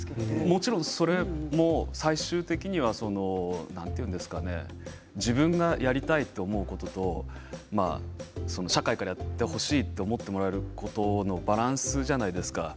もちろん、最終的に自分がやりたいと思うことと社会からやってほしいと思ってもらえることのバランスじゃないですか。